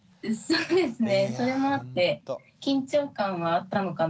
そうですよね。